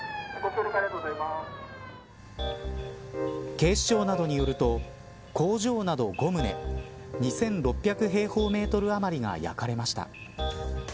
警視庁などによると工場など５棟２６００平方メートルあまりが焼かれました。